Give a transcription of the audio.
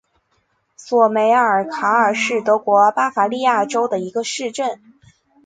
索梅尔卡尔是德国巴伐利亚州的一个市镇。